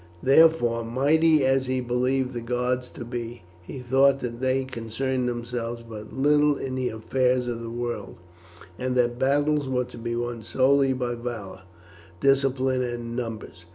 Therefore, mighty as he believed the gods to be, he thought that they concerned themselves but little in the affairs of the world, and that battles were to be won solely by valour, discipline, and numbers.